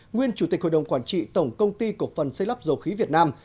nguyên chủ tịch hội đồng quản trị tổng công ty cổ phần xây lắp dầu khí việt nam